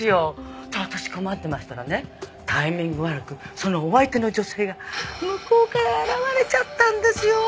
で私困ってましたらねタイミング悪くそのお相手の女性が向こうから現れちゃったんですよ。